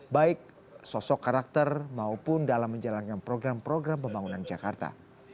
baik sosok karakter maupun dalam menjalankan program program pembangunan jakarta